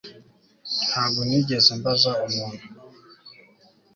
Ntabwo nigeze mbaza umuntu